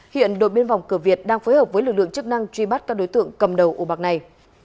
hiện đội biên phòng cửa việt đang phối hợp với lực lượng chức năng truy bắt các đối tượng cầm đầu ổ bạc này